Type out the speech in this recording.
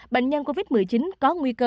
bệnh nhân covid một mươi chín có nguy cơ